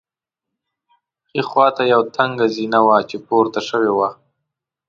ښي خوا ته یوه تنګه زینه وه چې پورته شوې وه.